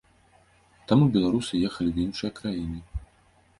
Таму беларусы ехалі ў іншыя краіны.